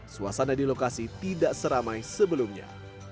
suasana di lokasi tidak seramai sebelumnya